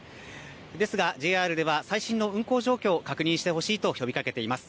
ですがＪＲでは最新の運行状況を確認してほしいと呼びかけています。